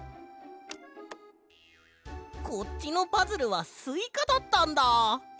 こっちのパズルはスイカだったんだ！